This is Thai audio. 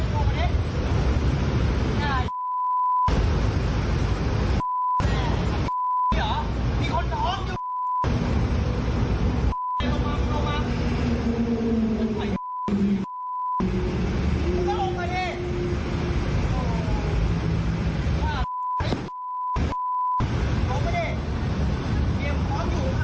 คุณผู้ชมลองไปดูคลิปบางช่วงบนตอนที่เกิดขึ้นบนตนหนุ่นค่ะ